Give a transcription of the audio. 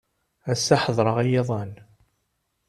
Ass-a ḥedṛeɣ i yiḍan.